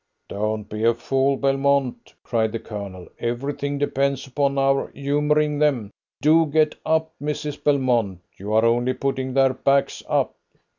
"Don't be a fool, Belmont!" cried the Colonel; "everything depends upon our humouring them. Do get up, Mrs. Belmont! You are only putting their backs up!"